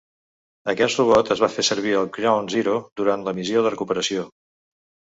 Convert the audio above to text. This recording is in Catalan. Aquest robot es va fer servir al Ground Zero durant la missió de recuperació.